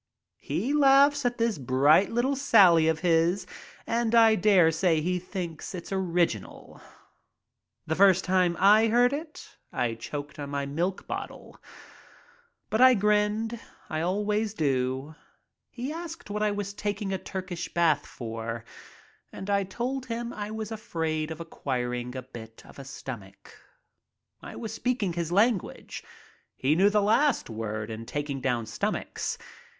He laughs at this bright little sally of his and I dare say he thinks it original. The first time I heard it I choked on my milk bottle. But I grinned. I always do. He asked what I was taking a Turkish bath for, and I told him I was afraid of acquiring a bit of a stomach. I was speaking his language. He knew the last word in taking down stomachs.